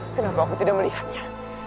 kenapa aku tidak melihatnya